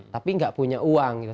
tapi nggak punya uang gitu